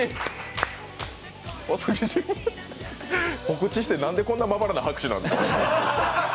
告知して、なんでこんなまばらな拍手なんですか。